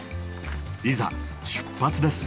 いざ出発です。